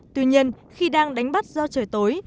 tuy nhiên khi đang đánh bắt do trời tối